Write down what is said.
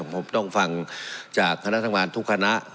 ผมต้องฟังจากคณะทำงานทุกคณะ